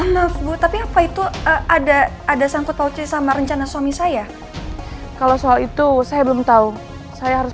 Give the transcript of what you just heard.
maaf bu tapi apa itu ada ada sangkut pautnya sama rencana suami saya kalau soal itu saya belum tahu saya harus